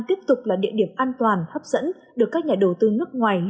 tiếp tục là địa điểm an toàn hấp dẫn được các nhà đầu tư nước ngoài lựa chọn trong thời gian tới